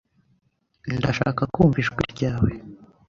Ndashaka kumva ijwi ryawe.